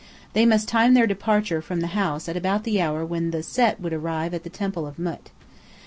They must time their departure from the house at about the hour when the Set would arrive at the Temple of Mût.